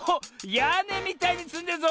やねみたいにつんでるぞ！